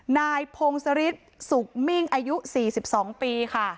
นายพงศฤษศุกร์มิงอายุ๔๒ปีค่ะ